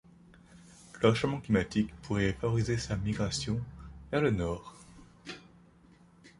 Le réchauffement climatique pourrait favoriser sa migration vers le nord.